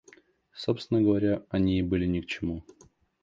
Собственно говоря, они ей были ни к чему.